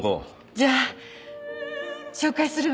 じゃあ紹介するわね。